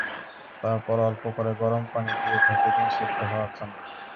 তারপর অল্প করে গরম পানি দিয়ে ঢেকে দিন সেদ্ধ হওয়ার জন্য।